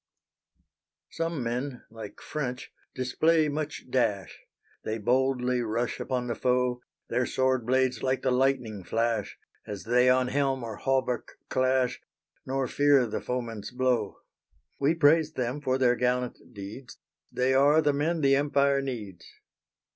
_ Some men, like French, display much dash; They boldly rush upon the foe, Their sword blades like the lightning flash, As they on helm or hauberk clash; Nor fear the foeman's blow. We praise them for their gallant deeds; They are the men the Empire needs.